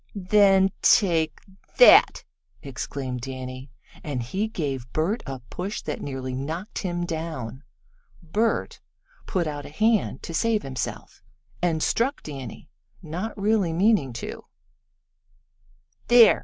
"Then take that!" exclaimed Danny, and he gave Bert a push that nearly knocked him down. Bert put out a hand to save himself and struck Danny, not really meaning to. "There!